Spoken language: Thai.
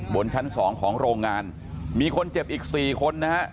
บนชั้น๒ของโรงงานมีคนเจ็บอีก๔คนนะฮะ